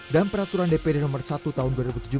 dan peraturan dpd no satu tahun dua ribu tujuh belas